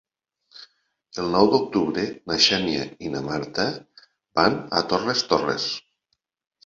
El nou d'octubre na Xènia i na Marta van a Torres Torres.